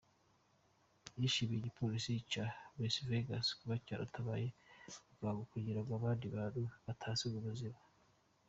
Yashimiye igipolisi cy'i Las Vegas kuba cyatabaye bwangu kugirango abandi bantu batahasiga ubuzima.